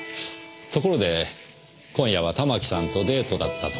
ところで今夜はたまきさんとデートだったとか。